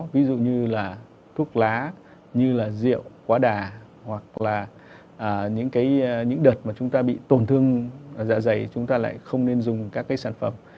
ví dụ như là thuốc lá như là rượu quá đà hoặc là những cái đợt mà chúng ta bị tổn thương dạ dày chúng ta lại không nên dùng các cái sản phẩm